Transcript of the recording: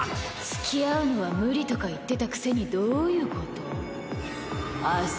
つきあうのは無理とか言ってたくせにどういうこと？